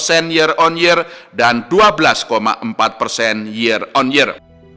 tetap tinggi yaitu sebesar delapan belas lima year on year dan dua belas empat year on year